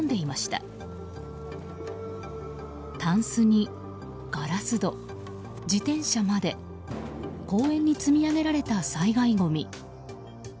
たんすにガラス戸、自転車まで公園に積み上げられた災害ごみ。